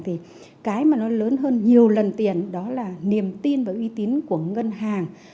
thì cái mà nó lớn hơn nhiều lần tiền đó là niềm tin và uy tín của ngân hàng